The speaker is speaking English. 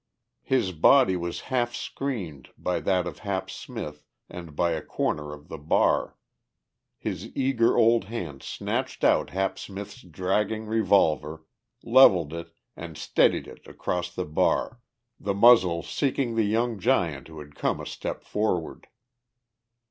His body was half screened by that of Hap Smith and by a corner of the bar. His eager old hand snatched out Hap Smith's dragging revolver, levelled it and steadied it across the bar, the muzzle seeking the young giant who had come a step forward.